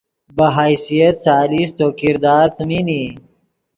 بہ حیثیت ثالث تو کردار څیمین ای